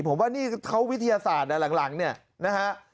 ผมว่านี่เขาวิทยาศาสตร์หลังเนี่ยนะฮะ